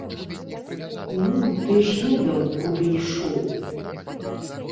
Ну, ты ж ведаў, куды ішоў!